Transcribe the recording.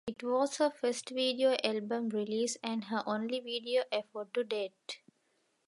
It was her first video album release and her only video effort to date.